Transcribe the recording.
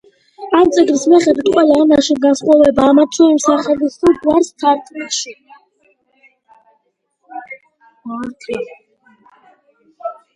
ამ წიგნის მიხედვით, ყველა ენაში განსხვავებაა ამა თუ იმ სახელისა თუ გვარის თარგმნაში.